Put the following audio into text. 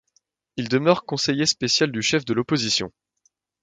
Il demeure conseiller spécial du chef de l'opposition.